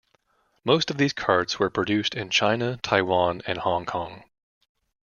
Most of these carts were produced in China, Taiwan and Hong Kong.